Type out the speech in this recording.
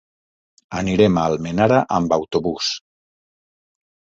Anirem a Almenara amb autobús.